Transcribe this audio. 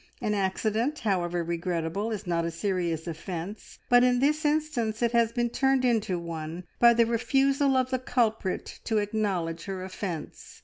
An accident, however regrettable, is not a serious offence, but in this instance it has been turned into one by the refusal of the culprit to acknowledge her offence.